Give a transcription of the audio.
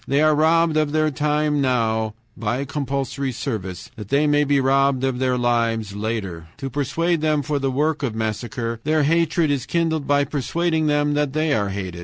They are robbed of their time now (by compulsory service) that they may be robbed of their lives later. To prepare them for the work of massacre, their hatred is kindled by persuading them that they are hated.